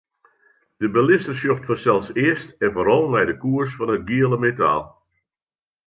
De belizzer sjocht fansels earst en foaral nei de koers fan it giele metaal.